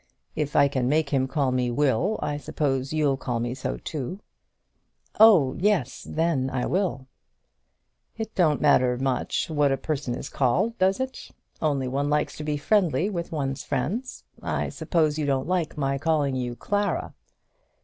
If I can make him call me Will, I suppose you'll call me so too." "Oh, yes; then I will." "It don't much matter what a person is called; does it? Only one likes to be friendly with one's friends. I suppose you don't like my calling you Clara."